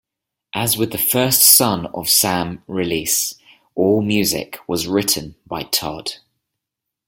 As with the first Son Of Sam release, all music was written by Todd.